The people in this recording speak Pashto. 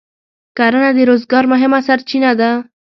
کرنه د روزګار مهمه سرچینه ده.